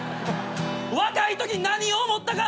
「若いとき何を思ったか」